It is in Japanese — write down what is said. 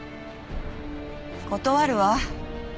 断るわ。